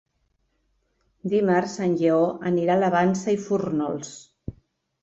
Dimarts en Lleó anirà a la Vansa i Fórnols.